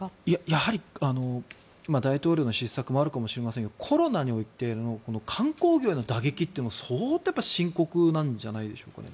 やはり大統領の失策もあるかもしれませんがコロナにおいて観光業の打撃というのは相当深刻なんじゃないでしょうか。